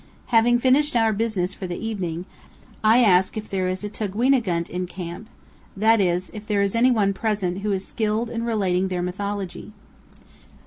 Having finished our business for the evening, I ask if there is a tugwi'nagunt in camp; that is, if there is any one present who is skilled in relating their mythology.